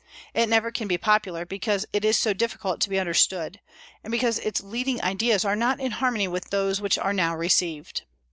It never can be popular, because it is so difficult to be understood, and because its leading ideas are not in harmony with those which are now received.